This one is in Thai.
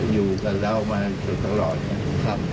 อยู่กับเรามาตลอดนี่ครับ